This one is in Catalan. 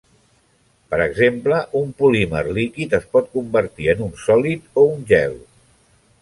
Per exemple un polímer líquid es pot convertir en un sòlid o un gel.